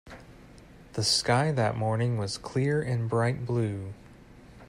The sky that morning was clear and bright blue.